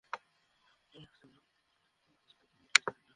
আমরা জানি তোমরা কি করো, আমাদের কথা বলতে চাই না।